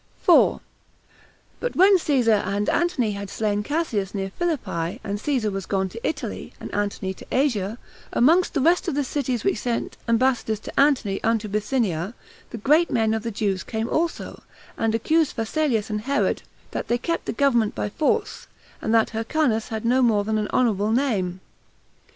4. But when Caesar and Antony had slain Cassius near Philippi, and Caesar was gone to Italy, and Antony to Asia, amongst the rest of the cities which sent ambassadors to Antony unto Bithynia, the great men of the Jews came also, and accused Phasaelus and Herod, that they kept the government by force, and that Hyrcanus had no more than an honorable name.